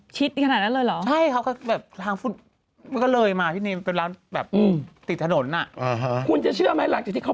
ช่วยดูว่าเฮ้ย